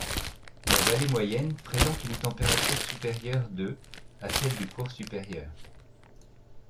La vallée moyenne présente une température supérieure de à celle du cours supérieur.